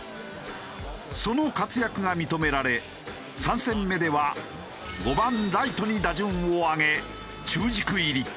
その活躍が認められ３戦目では５番ライトに打順を上げ中軸入り。